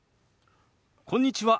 こんにちは。